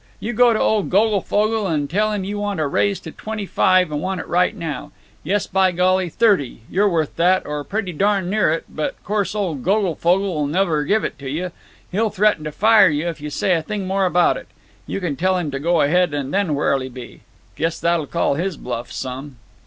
You go to old Goglefogle and tell him you want a raise to twenty five, and want it right now. Yes, by golly, thirty! You're worth that, or pretty darn' near it, but 'course old Goglefogle'll never give it to you. He'll threaten to fire you if you say a thing more about it. You can tell him to go ahead, and then where'll he be? Guess that'll call his bluff some!"